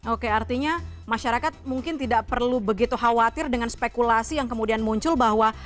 oke artinya masyarakat mungkin tidak perlu begitu khawatir dengan spekulasi yang kemudian muncul bahwa